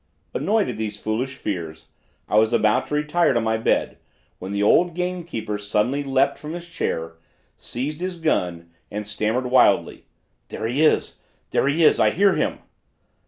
Annoyed at these foolish fears, I was about to retire to my bed, when the old gamekeeper suddenly leaped from his chair, seized his gun and stammered wildly: 'There he is, there he is! I hear him!'